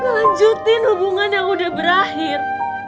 lanjutin hubungan yang udah berakhir